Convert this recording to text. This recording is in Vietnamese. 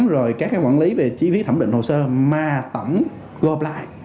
rồi các quản lý về chi phí thẩm định hồ sơ mà tẩm gồm lại